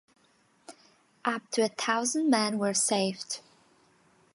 Up to a thousand men were saved.